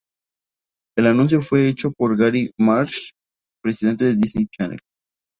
El anuncio fue hecho por Gary Marsh, presidente de Disney Channel.